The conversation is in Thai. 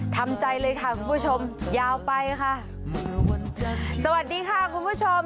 ทำใจเลยค่ะคุณผู้ชมยาวไปค่ะสวัสดีค่ะคุณผู้ชม